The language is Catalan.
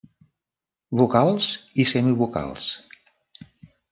Vocals i Semivocals.